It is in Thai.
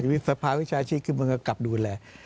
วิทยาภาพวิชาชีคมันก็กลับดูแล